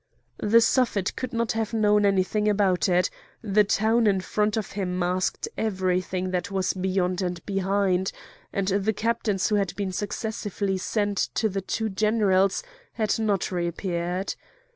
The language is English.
The Suffet could not have known anything about it; the town in front of him masked everything that was beyond and behind; and the captains who had been successively sent to the two generals had not re appeared.